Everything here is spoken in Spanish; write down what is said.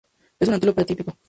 Es un antílope atípico.